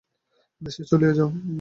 দেশে চলিয়া যাও।